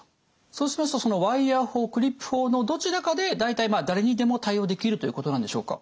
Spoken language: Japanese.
そうしますとそのワイヤー法クリップ法のどちらかで大体まあ誰にでも対応できるということなんでしょうか？